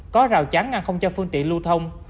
có rào chắn ngăn không cho phương tiện lưu thông